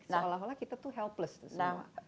seolah olah kita helpless